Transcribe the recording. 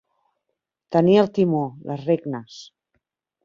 Tenir el timó, les regnes.